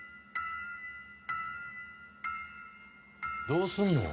どうするの？